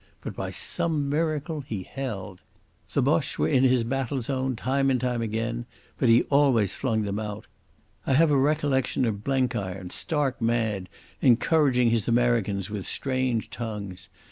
But by some miracle he held. The Boches were in his battle zone time and again, but he always flung them out. I have a recollection of Blenkiron, stark mad, encouraging his Americans with strange tongues.